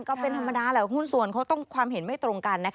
ก็เป็นธรรมดาแหละหุ้นส่วนเขาต้องความเห็นไม่ตรงกัน